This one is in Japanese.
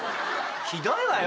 ひどいわよ